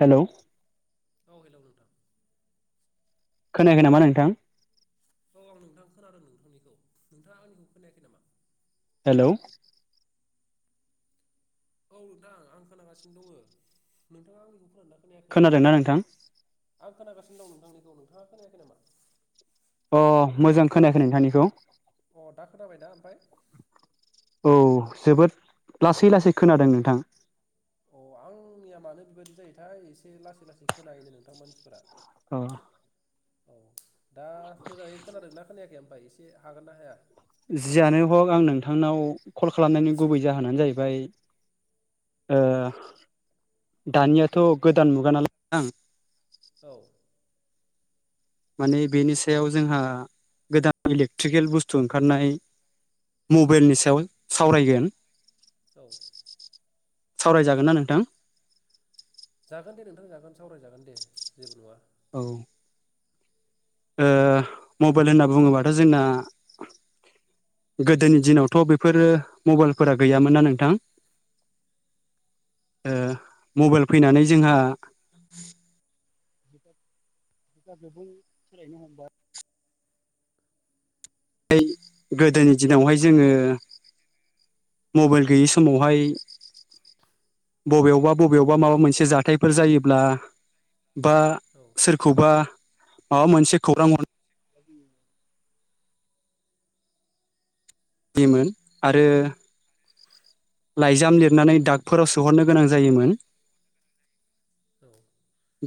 हेल'। औ हेलौ नोंथां। खोनायाखै नामा नोंथां। औ आं नोंथां खोनादों नोंथांनिखौ, नोंथाङा आंनिखौ खोनायाखै नामा? हेल'। औ नोंथां आं खोनागासिनो दङ नोंथाङा आंनिखौ खोनादोंना? खोनायाखै खोनादोंना नोंथां। आं खोनागासिनो दं नोंथांनिखौ नोंथाङा खोनायाखै नामा। अ मोजां खोनायाखै नोंथांनिखौ। अ दा खोनाबायना ओमफाय। औ जोबोद लासै-लासै खोनादों नोंथां। अ आंनिया मानो बेबायदि जायोथाय एसे लासै-लासै खोनायोनो नोंथां मानसिफोरा। औ। औ। दा मोजाङै खोनादोंना खोनायाखै आम [unintelligible] एसे हागोन ना हाया। जियानो हग आं नोंथांनाव कल खालामनायनि गुबै जाहोनानो जाहैबाय ओ दानियाथ' गोदान मुगा नालाय [inaudible] आं। औ माने बेनि सायाव जोंहा गोदान इलेक्ट्रिकेल बुस्थु ओंखारनाय। उम मबाइलनि सायाव। सावरायगोन। औ। सावरायजागोन ना नोंथां। जागोन दे नोंथां जागोन सावरायजागोन दे जेबो नङा। औ। ओ मबाइल होनना बुङोबाथ' जोंना गोदोनि दिनाव थ' बेफोरो मबाइल फोरा गैयामोन ना नोंथां मबाइल औ फैनानै जोंहा [unintelligible] सोलायनो हमबाय गोदोनि दिनावहाय जोंङो मबाइल गैयि समावहाय बबेयावबा बबेयावबा माबा मोनसे जाथायफोर जायोब्ला बा औ सोरखौबा माबा मोनसे खौरां हर बिमोन आरो लाइजाम लिरनानै दागफोराव सोहरनो गोनां जायोमोन औ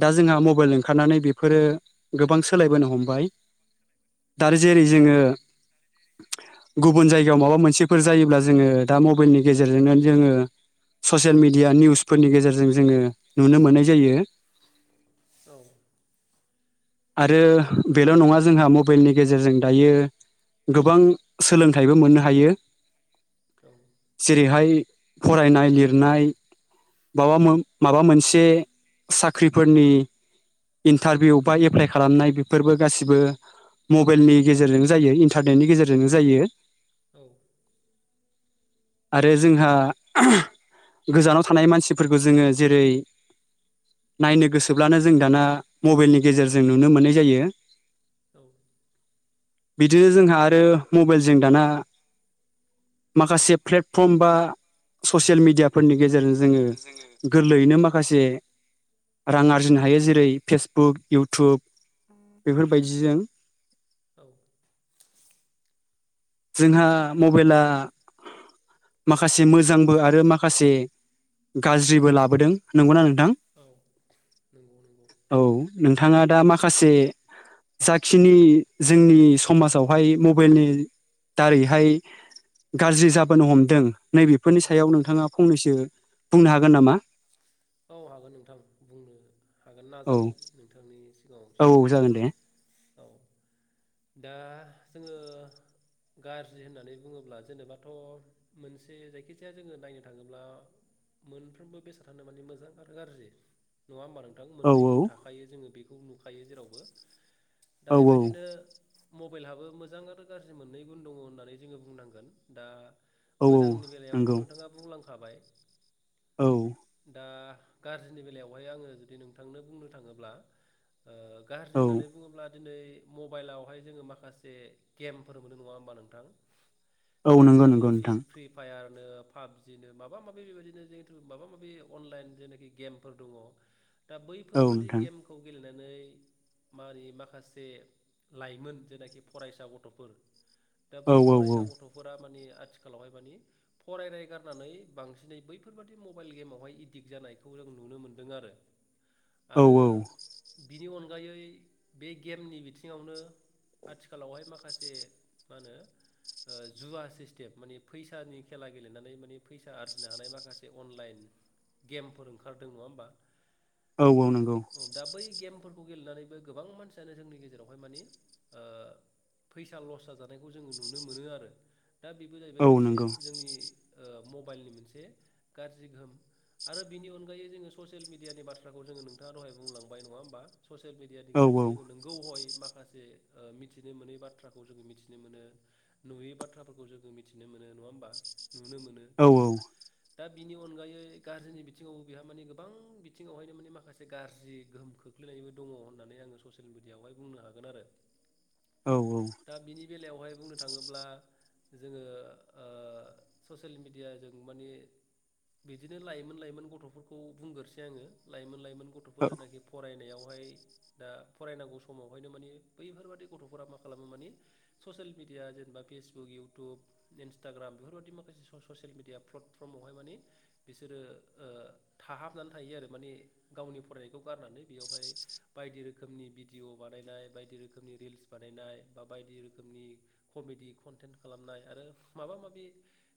दा जोंहा मबाइल ओंखारनानै बेफोरो गोबां सोलायबोनो हमबाय जेरै जोंङो उम गुबुन जायगायाव माबा मोनसेफोर जायोब्ला जोंङो दा मबाइलनि गेजेरजोंनो जोंङो ससियेल मिडिया निउसफोरनि गेजेरजों जोंङो नुनो मोननाय जायो औ आरो बेल' नंङा जोंहा मबाइलनि गेजेरजों दायो गोबां सोलोंथाइबो मोननो हायो औ जेरैहाय फरायनाय लिरनाय बाबा माबा मोनसे साख्रिफोरनि इन्टारभिउ बा एप्लाइ खालामनाय बेफोरबो गासिबो मबाइलनि गेजेरजों जायो इन्टारनेटनि गेजेरजों जायो औ आरो जोंहा गोजानाव थानाय मानसिफोरखौ जोंङो जेरै नायनो गोसोब्लानो जों दाना मबाइलनि गेजेरजों नुनो मोननाय जायो औ बिदिनो जोंहा आरो मबाइलजों दाना माखासे प्लेटफर्म बा ससियेल मिडियाफोरनि गेजेरजों जोंङो गोरलैयैनो माखा माखासे रां आरजिनो हायो जेरै फेसबुक इउटुब बेफोरबायदिजों औ जोंहा मबाइला नोंथां [unintelligible] औ नंगौ नंगौ औ नोंथाङा दा माखासे जाखिनि जोंनि समाजावहाय मबाइलनि दारैहाय गाज्रि जाबोनो हमदों नैबेफोरनि औ सायाव नोंथाङा फंनैसो बुंनो हागोन नामा औ हागोन नोंथां बुंनो हागोन औ नाजानि नोंथांनि सिगांङाव औ एसे औ जागोन खोन्थानो दे औ दा जोङो गाज्रि होननानै बुङोब्ला जेनेबाथ' मोनसे जायखिजाया जोङो नायनो थाङोब्ला मोनफ्रोमबो बेसादानो माने मोजां आरो गाज्रि नङा होनबा नोंथां औ मोननै गुन औ थाखायो जोङो बेखौ नुख थाफायो जेरावबो दा औ औ बेबायदिनो मबाइलहाबो मोजां आरो गाज्रि मोननै गुन दङ होननानै जोंङो बुंनांगोन दा औ औ मोजांनि बेलायावथ' नंगौ नोंथाङा बुंलांखाबाय औ दा गाज्रिनि बेलायावहाय आङो जुदि नोंथांनो बुंनो थाङोब्ला। ओ गाज्रि औ होननानै बुङोब्ला। दिनै मबाइलावहाय जोङो माखासे गेमफोर मोनो नङा होमबा नोंथां? औ नंगौ जेरै नंगौ फ्रि नोंथां फ्रि फायार। ओ पाबजिनो माबा माबि बेबायदिनो जों माबा माबि अनलाइन। जेनोखि गेमफोर दङ। दा औ बैफोरबादि नोंथां गेमखौ गेलेनानै। दिनै मारै माखासे लाइमोन जेनाखि फरायसा गथ'फोर। दा औ बै औ फरायसा गथ'फोरा माने। आथिखालावहाय मानि फरायनाय गारनानै बांसिनै बैफोरबादि मबाइल गेमावहाय। दिग जानायखौ जों नुनो मोन्दों आरो। औ आरो। बिनि अनगायै बे गेमनि बिथिङावनो आथिखालावहाय माखासे मा होनो ओ जुवा सिस्टेम माने, फैसानि खेला गेलेनानै माने फैसा आरजिनो हानाय माखासे अनलाइन। गेमफोर ओंखारदों नङा होमबा? औ औ नंगौ औ दा बै गेमफोरखौ। खौ गेलेनानैबो गोबां मानसियानो जोंनि गेजेरावहाय माने फैसा लस जाजानायखौ जोङो नुनो मोनो आरो। दा बेबो जाहैबाय औ मोनसे नंगौ जोंनि ओ मबाइलनि मोनसे गाज्रि गोहोम। आरो बिनि अनगायै जोङो ससियेल मिडियानि बाथ्राखौ जोङो नोंथाङा दहाय बुंलांबाय नङा होमबा? ससियेल मिडियानि औ गेजेरजों जोङो नोंगौ हय। माखासे ओ मिथिनो मोनै बाथ्राखौ जोङो मिथिनो मोनो नुयै बाथ्राफोरखौ जोङो मिथिनो मोनो नङा होमबा नुनो मोनो। औ-औ। दा बिनि अनगायै। गाज्रिनि बिथिङावबो बेहा मानिे गोबां बिथिङावहायनो माने माखासे गाज्रि गोहोम खोख्लैनायबो दङ होननानै आङो ससियेल मिडियाआवहाय बुंनो हागोन आरो। औ-औ। दा बिनि बेलायावहाय बुंनो थाङोब्ला जोङो ओ ससियेल मिडिय जों माने बिदिनो लाइमोन लाइमोन गथ'फोरखौ बुंगोरसै आङो लाइमोन लाइमोन। गथ'फोर जेनाखि फरायनायाव। बेवहाय दा फरायनांगौ समावहायनो माने बैफोरबादि गथ'फोरा मा खालामो माने ससेल मेडिया जेनेबा फेसबुक इउटुब इनसटाग्राम बेफोरबादि माखासे ससियेल मेडिया प्लेटफर्मावहाय माने बिसोरो ओ थाहाबनानै थायो आरो माने गावनि फरायनायखौ गारनानै बेयावहाय बायदि रोखोमनि भिडिय' बानायनाय बायदि रोखोमनि रिल्स बानायनाय बा बायदि रोखोमनि कमेडि कन्टेन्ट खालामनाय आरो माबा माबि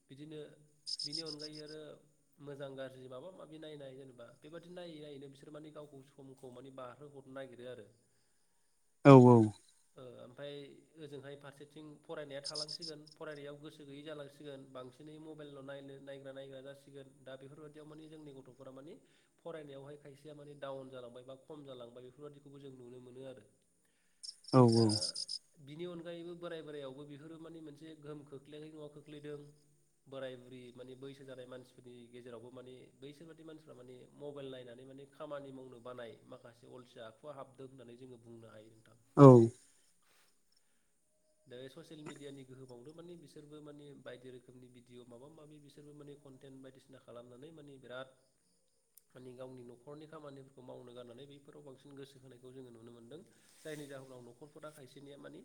बिदिनो बिनि अनगायै आरो, मोजां गाज्रि माबा माबि नायनाय जेनेबा बेबदि नायै नायैनो बिसोर माने गावखौ समखौ मानि बारहो हरनो नागिरो आरो। औ-औ। ओ ओमफ्राय ओजोंहाय फारसेथिं फरायनाया थालांसिगोन फरायनायाव गोसो गैयै जालांसिगोन बांसिनै मबाइल' नायनो नायग्रा नायग्रा जासिगोन दा बेफोरबायदियाव माने जोंनि गथ'फोरा मानि फरायनायावहाय खायसेया माने डाउन जालांबाय बा खम जालांबाय बेफोरबायदिखौबो जों नुनो मोनो आरो। दा औ-औ। बिनि अनगायैबो बोराय बोराइयावबो बेफोरो माने मोनसे गोहोम खोख्लैयाखै नङा खोख्लैदों बोराय बुरि माने बैसो जानाय मानसिफोरनि गेजेरावबो माने बैसोर बादि मानसिफ्रा माने मबाइल नायनानै माने खामानि मावनो बानाय माखासे अलसिया आखुवा हाबदों होननानै जोङो बुंनो हायो नोंथां। औ। दा ससियेल मिेडियानि गोहोमावनो माने बिसोरबो माने बायदि रोखोमनि भिडिअ' माबा माबि बिसोरबो माने कन्टेन्ट बायदिसिना खालामनानै माने बिराद माने गावनि न'खरनि खामानिफोरखौ मावनो गारनानै बैफोराव बांसिन गोसो होनायखौ जोङो नुनो मोनदों जायनि जाहोनाव न'खरफोरा खायसेनिया माने।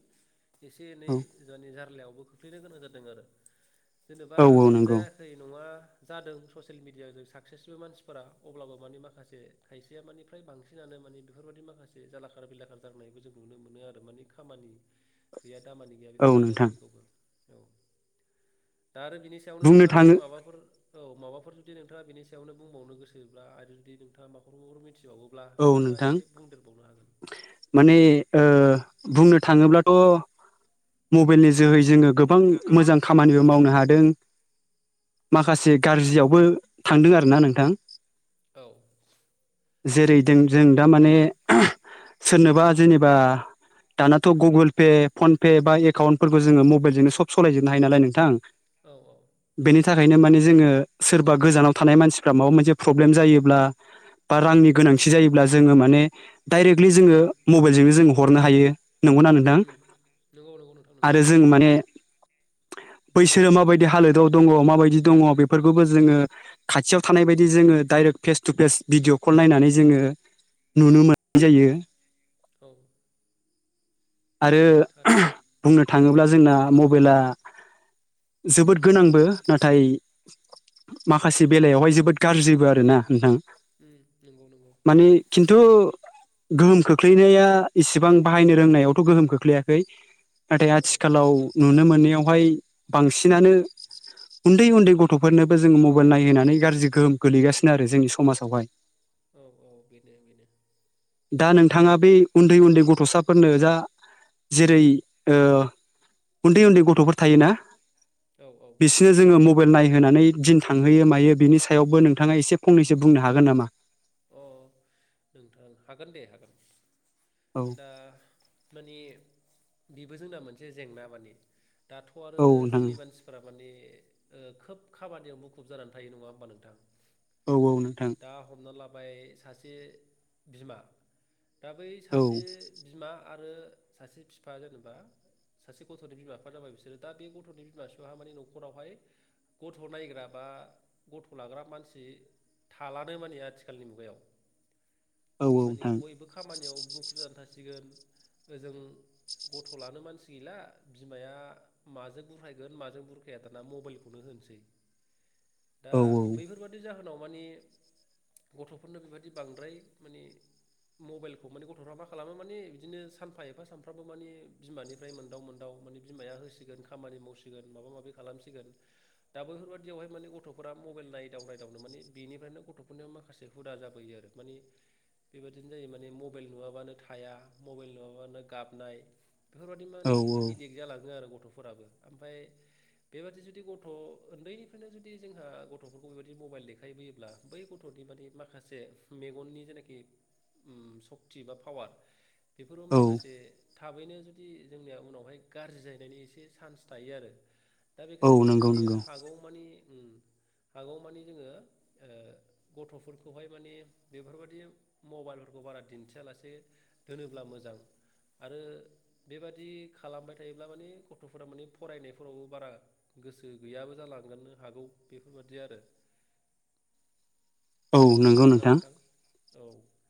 एसे एनै जानि जारलायावबो खो ख्लैनो गोनां जादों आरो। जेनेबा औ औ नंगौ जायाखै नङा जादों ससियेल मिडिया जों साक्सेसबो मानसिफोरा। अब्लाबो माने माखासे खायसेया माने फ्राय बांसिनानो माने बेफोरबायदि माखासे जालाखार बिलाखार जानायखौ जों नुनो मोनो आरो माने खामानि गैया। दामानि गैया औ बेफोरबायदि नोंथां जाहैनायखौबो। औ दा आरो बिनि सायावनो बुंनो नोंथाङा जुदि थाङो माबाफोर औ माबाफोर जुदि नों नोंथाङा बेनि सायावनो बुंबावनो गोसोब्ला आरो जुदि नोंथाङा माबाफोर मिथि औ नोंथां। माने ओ बुंनो थाङोब्लाथ' मबाइलनि जोहै जोङो गोबां मोजां खामानिबो मावनो हादों। माखासे गाज्रियावबो थांदों आरोना नोंथां। औ। जेरै- दों जों दा माने सोरनोबा जेनेबा दानाथ' गुगोल पे फन पे बा एकाउन्टफोरखौ जोङो मबाइलजोंनो सब समाय सलायजोबनो हायो नालाय नोंथां। औ औ बेनि थाखायनो माने जोङो सोरबा गोजानाव थानाय मानसिफ्रा माबा मोनसे फ्रब्लेम जायोब्ला ओ रांनि गोनांथि जायोब्ला जोङो माने दायरेकलि जोङो उम मबेलजोंनो जोङो हरनो हायो। नंगौना नोंथां? उम नंगौ नंगौ नोंथां नंगौ आरो जों माने बैसोरो माबायदि हालोदाव दङ, माबायदि दङ बेफोरखौबो जोङो खाथियाव थानाय बायदि जोङो direct face to face video call नायनानै ज जोङो नुनो मोननाय जायो। औ। आरो थारैनो बुंनो थाङोब्ला जोंना म बइला जोबोद गोनांबो नाथाय माखासे बेलावहाय जोबोद गाज्रिबो आरो ना नोंथां। उम नंगौ नंगौ माने खिन्थु गोहोम खोख्लैनाया इसिबां बाहायनो रोंनायाव थ' गोहोम खोख्लैयाखै। नाथाय औ आथिखालाव नुनो मोननायाव हाय बांसिनानो उन्दै उन्दै गथ'फोरनोबो जोङो मबाइल नायहोनानै गाज्रि गोहोम गोलैगासिनो आरो जोंनि समाजावहाय। औ औ बेनो बेनो। दा नोंथाङा बै उन्दै उन्दै गथ'साफोरनो जा जेरै ओ उन्दै उन्दै गथ'फोर थायोना औ औ बिसिनो जोङो म मबेल नायहोनानै दिन थांहोयो मायो बिनि सायावबो नोंथाङा एसे फंनैसो बुंनो हागोन नामा? अह नोंथां हागोन दे हागोन। औ दा माने बेबो जोंना मोनसे जेंना माने। दाथ' आरो औ नोंथां जोंनि मानसिफोरा माने खोब खाबादियाव मुखुब जानानै थायो नङा होमबा नोंथां। औ औ नोंथां। जाबाय सासे बिमा दा बै औ सासे बिमा आरो सासे बिफा जेनेबा सासे गथ'नि बिमा बिफानो जाबाय बिसोरो दा बे गथ'नि बिमा बिफ मानिे न'खरावहाय गथ' नायग्रा बा गथ' लाग्रा मानसि थालानो माने आथिखाल आथिखालनि मुगायाव औ माने नोंथां बयबो खामानियाव मुखुब जाना मानसिगोन ओजों गथ' लानो मानसि गैला बिमाया माजों बुरखायगोन माजों बुरखाया दाना मबाइलखौनो होनोसै। दा औ बैफोरबादि जाहो उनाव माने गथ'फोरनो बेबाददि बांद्राय माने मबाइलखौ माने गथ'फ्रा मा खालामो माने बिदिनो सानफा एफा सानफ्रामबो माने बिमानिफ्राय मोनदाव मोनदाव माने बिमाया होसिगोन खामानि मावसिगोन माबा माबि खालामसिगोन दा बैफोरबाय दियावहाय माने गथ'फोरा मबाइल नायदाव नायदावनो माने बेनिफ्रायनो गथ' बेफोरनो माखासे हुदा जाबोयो आरो मानिे बेबादिनो जायो माने मबाइल नुवाबानो थाया मबाइल नुवाबानो गाबनाय। बेफोरबाददि औ माने इदिक जालाङो आरो गथ' गथ'फोराबो ओमफ्राय बेबादि जुदि गथ' उन्दैनिफ्रायनो जुदि जोंहा गथ'फोरखौ बेबायदि मबाइल देखायबोयोब्ला बै गथ' बादि माखासे मेगननि जेनाखि सक्ति बा पावार बेफोराव औ माखासे थाबैनो जुदि जोंनिया उनावहाय गाज्रि जाहैनायनि एसे सान्स थायो आरो। दा औ बेखायनो जोङो नंगौ माने नंगौ हागौ मानि हागौ मानि जोङो ओ गथ'फोरखौहाय माने बेफोरबाददि मबाइलफोरखौ बारा दिन्थियालासे दोनोब्ला मोजां आरो बेबादि खालामबाय थायोब्ला माने गथ'फोरा माने फरायनायफोरावबो बारा गोसो गैयाबो जालांगोन हागौ बेफोरबादि आरो। औ नंगौ नोंथां औ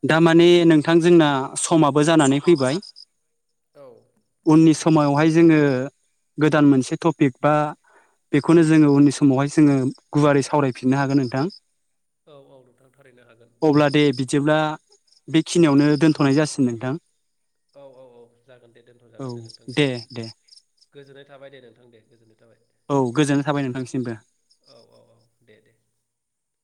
दामाने नोंथां जोंना समाबो जानानै समाबो जा फैबाय औ उननि समावहाय जोङो गोदान मोनसे टपिक बा बेखौनो जोङो उननि समावहाय जोङो गुवारै सावरायफिननो हागोन नोंथां। औ औ नोंथां थारैनो हागोन। अब्ला दे बिदिब्ला बेखिनियावनो दोनथ'नाय जासिगोन नोंथां। औ औ औ जागोन दे दोनथ' जागोन दे नोंथां दे गोजोननाय थाबाय दे। नोंथां दे [unintelligible] औ गोजोननाय थाबाय नोंथांसिमबो। औ औ औ दे दे